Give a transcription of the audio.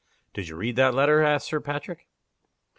"Did you read that letter?" asked Sir Patrick.